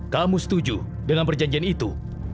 kamu setuju dengan perjanjian itu